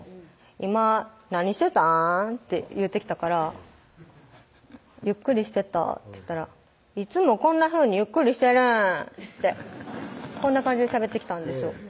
「今何してたん？」って言ってきたから「ゆっくりしてた」って言ったら「いつもこんなふうにゆっくりしてるん？」ってこんな感じでしゃべってきたんですよ